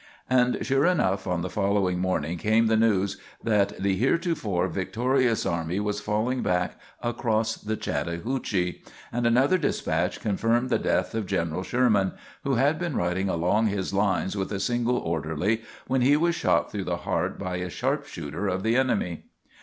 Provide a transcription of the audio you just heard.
"] And, sure enough, on the following morning came the news that the heretofore victorious army was falling back across the Chattahoochee; and another despatch confirmed the death of General Sherman, who had been riding along his lines with a single orderly when he was shot through the heart by a sharp shooter of the enemy.